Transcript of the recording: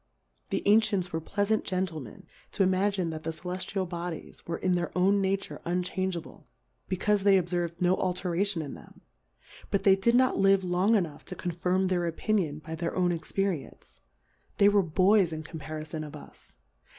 The Ancients were pleafant Gentlemen, to imrJginet'iit the Celeftial Bodies werein their own iNiature unchangeable, bccaufe they ob.^rv'd no Alteratioa in them ; but thty did not live long enough to CO firm their Opinion by their own Ex perience ; they were Boys in compari fon of us.